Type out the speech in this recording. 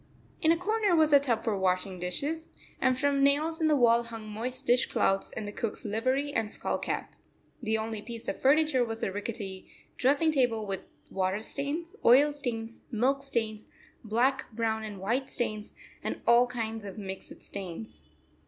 In a corner was a tub for washing dishes, and from nails in the wall hung moist dish clouts and the cook's livery and skull cap. The only piece of furniture was a rickety dressing table with water stains, oil stains, milk stains, black, brown, and white stains, and all kinds of mixed stains.